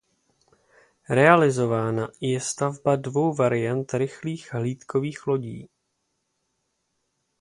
Realizována je stavba dvou variant rychlých hlídkových lodí.